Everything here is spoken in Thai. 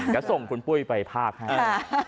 แล้วส่งคุณปุ้ยไปภาพให้ค่ะ